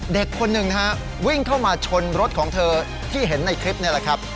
เด็กคนหนึ่งนะฮะวิ่งเข้ามาชนรถของเธอที่เห็นในคลิปนี่แหละครับ